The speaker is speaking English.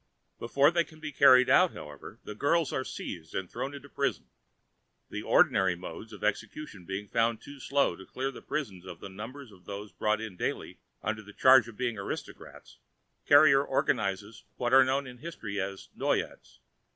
Before they can be carried out, however, the girls are seized and thrown into prison. The ordinary modes of execution being found too slow to clear the prisons of the numbers of those brought in daily under the charge of being aristocrats, Carrier organized what are known in history as the Noyades.